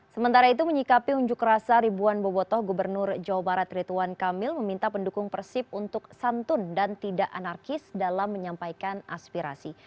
sementara itu menyikapi unjuk rasa ribuan bobotoh gubernur jawa barat rituan kamil meminta pendukung persib untuk santun dan tidak anarkis dalam menyampaikan aspirasi